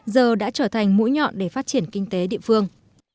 giờ đã trở thành mũi nhọn để phát triển kinh tế địa phương